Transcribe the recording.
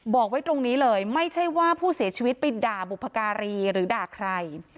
บอกไว้ตรงนี้เลยไม่ใช่ว่าผู้เสียชีวิตไปด่าบุพการีหรือด่าใคร